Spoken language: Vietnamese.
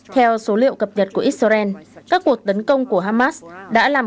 theo số liệu cập nhật của israel các cuộc tấn công của hamas đã làm